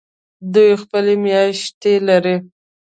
دوی خپلې میاشتې لري.